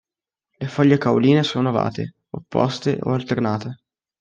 Le foglie cauline sono ovate, opposte o alternate.